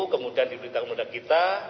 kemudian diberitakan kepada kita